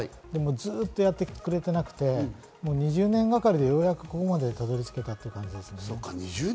ずっとやってくれていなくて、２０年がかりでようやくここまでたどり着けたという感じです。